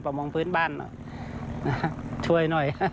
ประมวงพื้นบ้านช่วยหน่อย